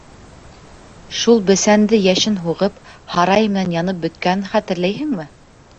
— Шул бесәнде йәшен һуғып, һарайы менән янып бөткәнен хәтерләйһеңме?